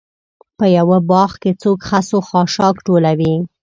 په یوه باغ کې څوک خس و خاشاک ټولوي.